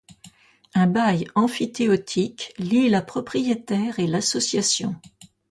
Un bail emphytéotique lie la propriétaire et l'association.